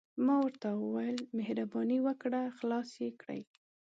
ما ورته وویل: مهرباني وکړه، خلاص يې کړئ.